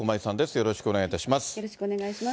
よろしくお願いします。